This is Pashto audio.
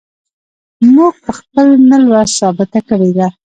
موږ په خپل نه لوست ثابته کړې ده.